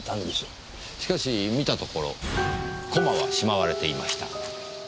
しかし見たところ駒はしまわれていました。